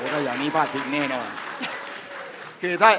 ถ้าอย่างนี้พลาดพิงแน่นอน